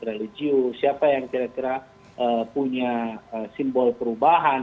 religius siapa yang kira kira punya simbol perubahan